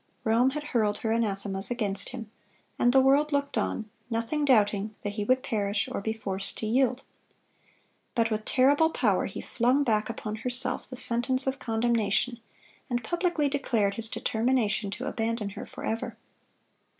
Rome had hurled her anathemas against him, and the world looked on, nothing doubting that he would perish or be forced to yield. But with terrible power he flung back upon herself the sentence of condemnation, and publicly declared his determination to abandon her forever.